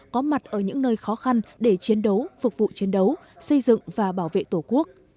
có mặt ở những nơi khó khăn để chiến đấu phục vụ chiến đấu xây dựng và bảo vệ tổ quốc